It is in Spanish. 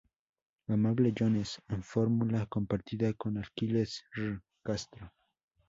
Amable Jones, en fórmula compartida con Aquiles R. Castro.